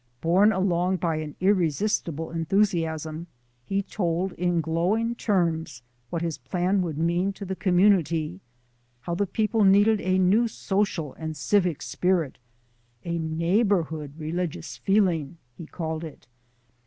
Borne along by an irresistible enthusiasm, he told in glowing terms what his plan would mean to the community, how the people needed a new social and civic spirit a "neighbourhood religious feeling" he called it.